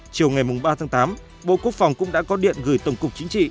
chiều ngày ba tháng tám bộ quốc phòng cũng đã có điện gửi tổng cục chính trị